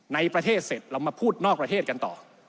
ในประเทศเสร็จเรามาพูดนอกประเทศกันต่อ